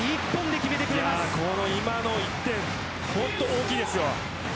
今の１点本当に大きいですよ。